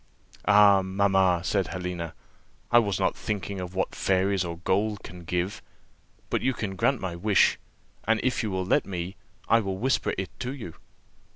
"Ah, mamma," said Helena, "I was not thinking of what fairies or gold can give; but you can grant my wish, and if you will let me, I will whisper it to you."